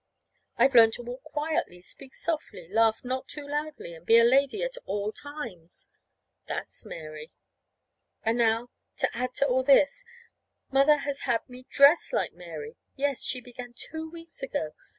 I've learned to walk quietly, speak softly, laugh not too loudly, and be a lady at all times. That's Mary. And now, to add to all this, Mother has had me dress like Mary. Yes, she began two weeks ago.